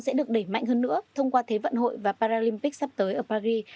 sẽ được đẩy mạnh hơn nữa thông qua thế vận hội và paralympic sắp tới ở paris